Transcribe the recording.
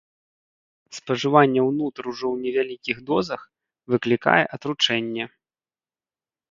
Спажыванне ўнутр ўжо ў невялікіх дозах выклікае атручэнне.